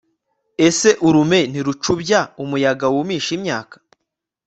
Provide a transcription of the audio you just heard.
ese urume ntirucubya umuyaga wumisha imyaka